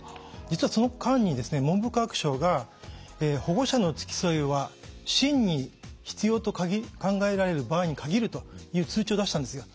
実はその間に文部科学省が保護者の付き添いは真に必要と考えられる場合に限るという通知を出したんですよ。